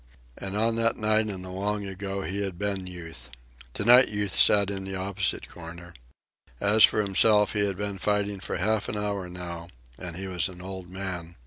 And on that night in the long ago he had been Youth. To night Youth sat in the opposite corner. As for himself, he had been fighting for half an hour now, and he was an old man.